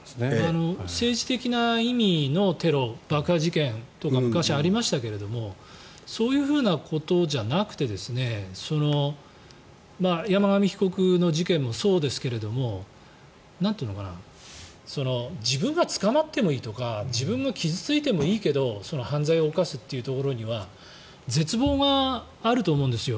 政治的な意味のテロ爆破事件とか、昔ありましたけどそういうふうなことじゃなくて山上被告の事件もそうですけれど自分が捕まってもいいとか自分が傷付いてもいいけど犯罪を犯すというところには絶望があると思うんですよ。